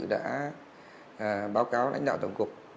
đã báo cáo đánh đạo tổng cục